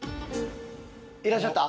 いらっしゃった？